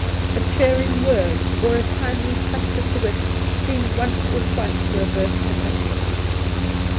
A cheering word or a timely touch of the whip seemed once or twice to avert catastrophe.